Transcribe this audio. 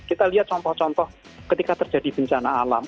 kita lihat contoh contoh ketika terjadi bencana alam